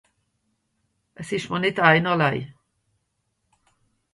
Es ìsch mìr nìtt einerlei.